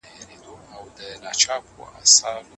د حاجي په کڅوڼي کي مي ډېر ګټور کتابونه ولیدل.